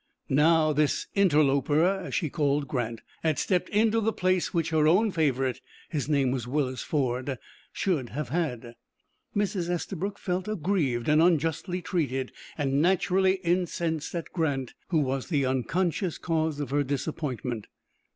Now this interloper, as she called Grant, had stepped into the place which her own favorite his name was Willis Ford should have had. Mrs. Estabrook felt aggrieved, and unjustly treated, and naturally incensed at Grant, who was the unconscious cause of her disappointment.